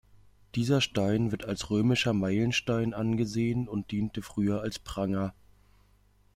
Dieser Stein wird als römischer Meilenstein angesehen und diente früher als Pranger.